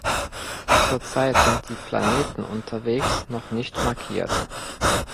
Zur Zeit sind die Planeten unterwegs noch nicht markiert.